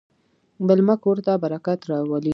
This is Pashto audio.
مېلمه کور ته برکت راولي.